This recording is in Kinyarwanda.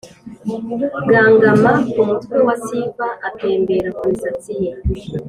ganga ma, ku mutwe wa siva, atembera ku misatsi ye